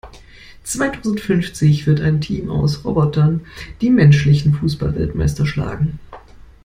Zweitausendfünfzig wird ein Team aus Robotern die menschlichen Fußballweltmeister schlagen.